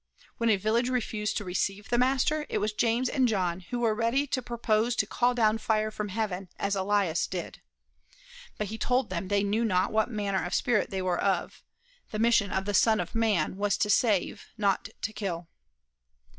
When a village refused to receive the Master, it was James and John who were ready to propose to call down fire from heaven, as Elias did. But he told them they knew not what manner of spirit they were of; the mission of the Son of man was to save not to kill.